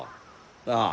なあ？